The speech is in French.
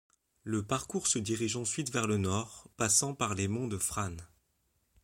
Le parcours se dirige ensuite vers le nord, passant par les monts de Frasnes.